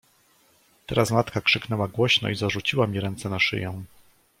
"Teraz matka krzyknęła głośno i zarzuciła mi ręce na szyję."